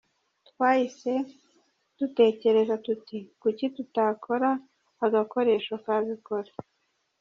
Twahise dutekereza tuti kuki tutakora agakoresho kabikora.